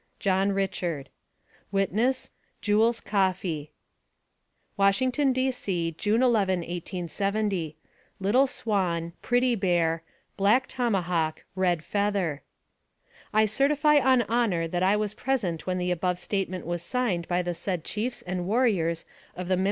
JOHN RICHARD Witness : JUELS COFFEY. WASHINGTON, D. C., June 11, 1870. LITTLE X SWAN, PRETTY X BEAR, BLACK X TOMAHAWK, RED X FEATHER. I certify on honor that I was present when the above statement was signed by the said chiefs and warriors of AMONG THE SIOUX INDIANS.